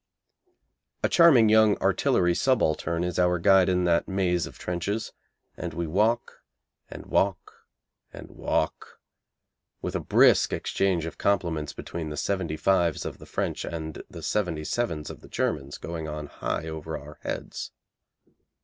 A charming young artillery subaltern is our guide in that maze of trenches, and we walk and walk and walk, with a brisk exchange of compliments between the '75's' of the French and the '77's' of the Germans going on high over our heads.